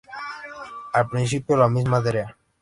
Al principio, la misma Dra.